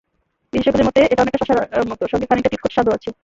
বিশেষজ্ঞদের মতে, এটা অনেকটা শসার মতো, সঙ্গে খানিকটা তিতকুটে স্বাদও আছে।